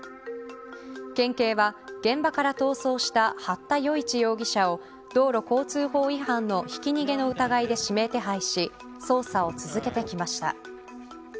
県警は現場から逃走した八田与一容疑者を道路交通法違反のひき逃げの疑いで指名手配し捜査を続けてきました。